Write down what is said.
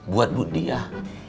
buat bu diamo